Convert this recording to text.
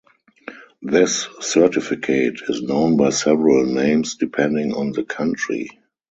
This certificate is known by several names depending on the country.